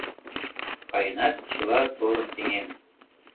Каенат чыла торым сеҥен